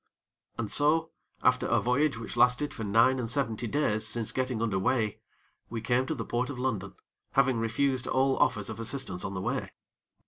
And so, after a voyage which lasted for nine and seventy days since getting under weigh, we came to the Port of London, having refused all offers of assistance on the way.